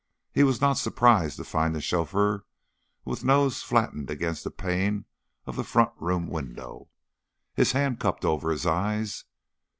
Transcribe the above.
He was not surprised to find the chauffeur with nose flattened against a pane of the front room window, his hands cupped over his eyes.